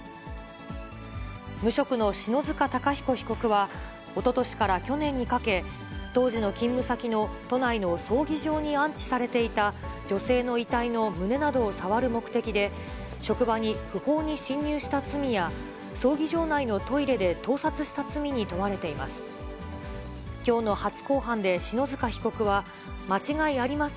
無職の篠塚貴彦被告は、おととしから去年にかけ、当時の勤務先の都内の葬儀場に安置されていた、女性の遺体の胸などを触る目的で、職場に不法に侵入した罪や、葬儀場内のトイレで盗撮した罪に問われています。